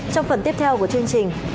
trong phần tiếp theo của chương trình